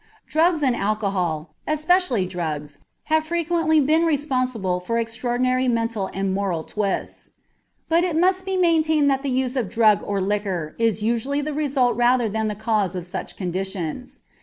Drugs and alcohol, especially drugs, have frequently been responsible for extraordinary mental and moral twists. But it must be maintained that the use of drug or liquor is usually the result rather than the cause of such conditions.